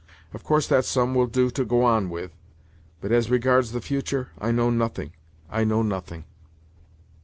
Of course that sum will do to go on with, but, as regards the future, I know nothing, I know nothing."